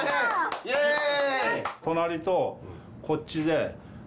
イェーイ！